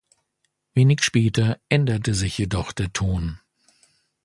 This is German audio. Wenig später änderte sich jedoch der Ton.